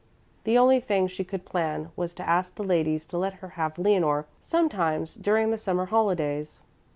The only thing she could plan was to ask the ladies to let her have Leonore sometimes during the summer holidays.